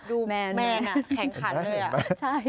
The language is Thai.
ดูแมนแข็งขันเลย